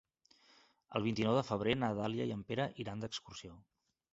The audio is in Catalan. El vint-i-nou de febrer na Dàlia i en Pere iran d'excursió.